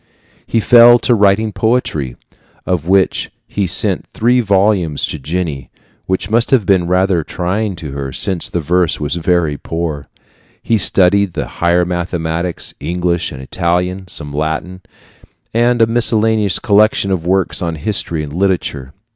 He fell to writing poetry, of which he sent three volumes to Jenny which must have been rather trying to her, since the verse was very poor. He studied the higher mathematics, English and Italian, some Latin, and a miscellaneous collection of works on history and literature.